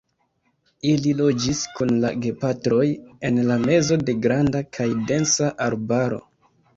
Ili loĝis kun la gepatroj en la mezo de granda kaj densa arbaro.